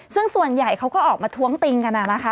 ซึ่งส่วนใหญ่เขาก็ออกมาท้วงติงกันนะคะ